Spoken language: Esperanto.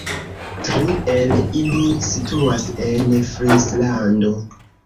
Tri el ili situas en Frislando.